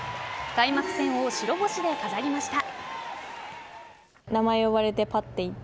開幕戦を白星で飾りました。